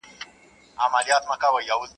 په هر قتل هر آفت کي به دى ياد وو.